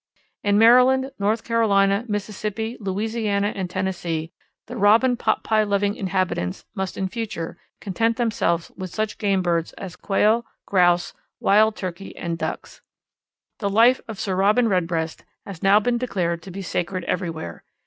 In Maryland, North Carolina, Mississippi, Louisiana and Tennessee, the Robin potpie loving inhabitants must in future content themselves with such game birds as Quail, Grouse, Wild Turkeys, and Ducks. The life of Sir Robin Redbreast has now been declared to be sacred everywhere.